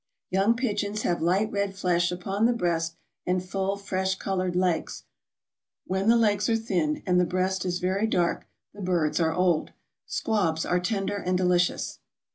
Young pigeons have light red flesh upon the breast, and full, fresh colored legs; when the legs are thin, and the breast is very dark, the birds are old. Squabs are tender and delicious.